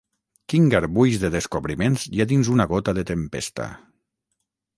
Quin garbuix de descobriments hi ha dins una gota de tempesta!